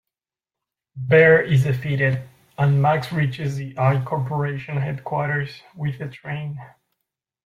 Bear is defeated, and Max reaches the I Corporation headquarters with the train.